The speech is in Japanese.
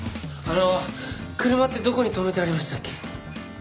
あの車ってどこに止めてありましたっけ？